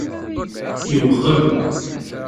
Yewqem!